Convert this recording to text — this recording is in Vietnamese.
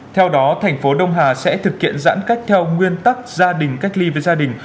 theo đó thành phố đông hà sẽ thực hiện giãn cách theo nguyên tắc gia đình cách ly với gia đình